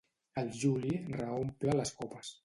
El Juli reomple les copes.